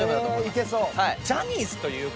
いけそう？